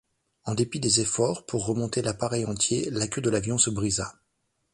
En dépit des efforts pour remonter l'appareil entier, la queue de l'avion se brisa.